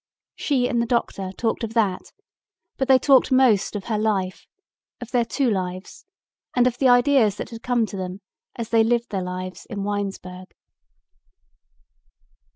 She and the doctor talked of that but they talked most of her life, of their two lives and of the ideas that had come to them as they lived their lives in Winesburg.